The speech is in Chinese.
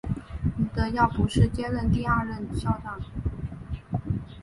吴德耀博士接任第二任校长。